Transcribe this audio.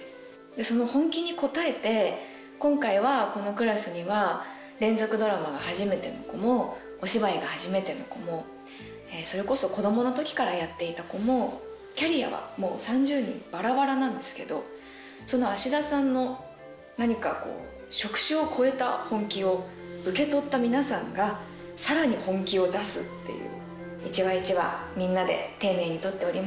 その本気に応えて今回はこのクラスには連続ドラマが初めての子もお芝居が初めての子もそれこそ子供の時からやっていた子もキャリアは３０人バラバラなんですけどその芦田さんの何かこう職種を超えた本気を受け取った皆さんがさらに本気を出すっていう。